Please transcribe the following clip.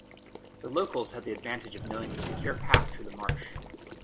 The locals had the advantage of knowing the secure path through the marsh.